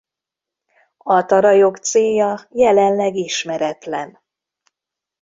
A tarajok célja jelenleg ismeretlen.